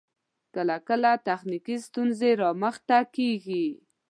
کله کله تخنیکی ستونزې رامخته کیږی